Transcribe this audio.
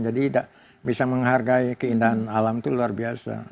jadi bisa menghargai keindahan alam itu luar biasa